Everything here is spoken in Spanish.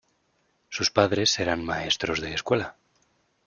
Sus padres eran maestros de escuela.